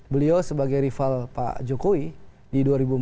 beliau sebagai rival pak jokowi di dua ribu empat belas